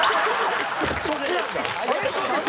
そっちなんだ。